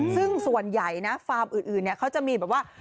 ซึ่งส่วนใหญ่นะฟาร์มอื่นเขาจะมีแบบว่า